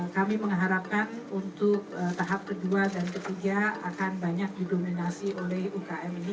kami mengharapkan untuk tahap kedua dan ketiga akan banyak didominasi oleh ukm ini